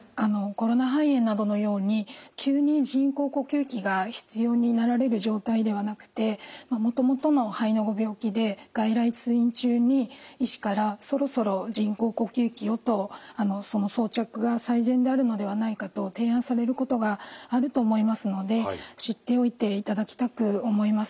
コロナ肺炎などのように急に人工呼吸器が必要になられる状態ではなくてもともとの肺のご病気で外来通院中に医師から「そろそろ人工呼吸器を」と「装着が最善であるのではないか」と提案されることがあると思いますので知っておいていただきたく思います。